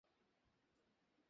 কারণ আমি মা হতে পারব না।